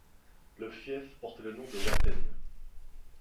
Le fief portait le nom de Watene.